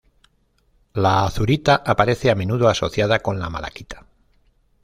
La azurita aparece a menudo asociada con la malaquita.